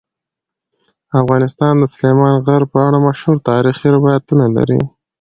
افغانستان د سلیمان غر په اړه مشهور تاریخی روایتونه لري.